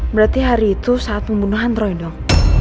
berarti hari itu saat pembunuhan roy dok